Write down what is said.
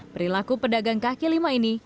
perilaku pedagang kaki lima ini